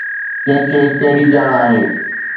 ڪنهن کي ڪهڙي ڄاڻ آهي؟